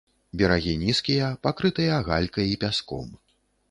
Берагі нізкія, пакрытыя галькай і пяском.